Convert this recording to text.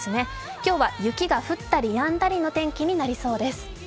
今日は雪が降ったりやんだりの天気になりそうです。